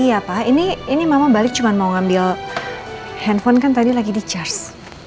iya pak ini mama balik cuma mau ngambil handphone kan tadi lagi di charge